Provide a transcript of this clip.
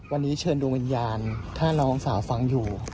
วันนี้เชิญดวงวิญญาณถ้าน้องสาวฟังอยู่